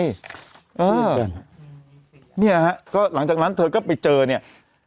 เออเนี่ยฮะก็หลังจากนั้นเธอก็ไปเจอเนี่ย